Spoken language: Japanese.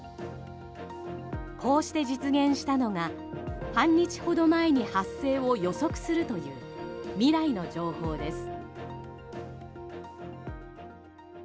こうして実現したのが半日ほど前に発生を予測するという未来の情報です。